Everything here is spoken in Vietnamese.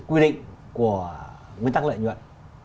quy định của nguyên tắc lợi nhuận